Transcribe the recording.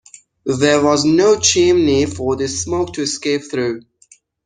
There was no chimney for the smoke to escape through.